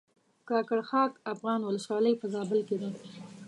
کاکړ خاک افغان ولسوالۍ په زابل کښې ده